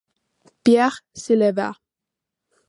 Pierre se leva.